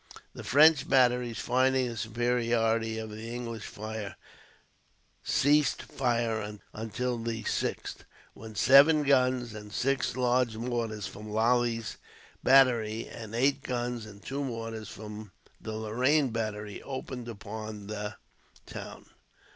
The French batteries, finding the superiority of the English fire, ceased firing until the 6th, when seven guns and six large mortars from Lally's Battery, and eight guns and two mortars from the Lorraine Battery, opened upon the town.